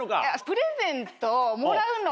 プレゼントをもらうのが。